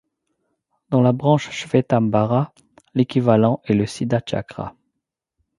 Dans la branche shvetambara, l'équivalent est le siddhachakra.